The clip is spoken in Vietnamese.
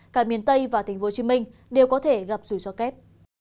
cả miền tây và tp hcm đều có thể gặp rủi ro kép